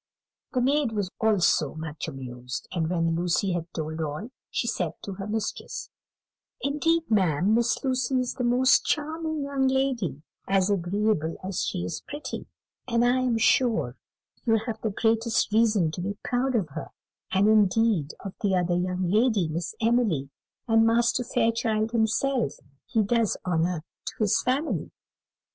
The maid was also much amused, and when Lucy had told all, she said to her mistress: "Indeed, ma'am, Miss Lucy is a most charming young lady, as agreeable as she is pretty, and I am sure you have the greatest reason to be proud of her; and, indeed, of the other young lady, too, Miss Emily; and Master Fairchild himself, he does honour to his family."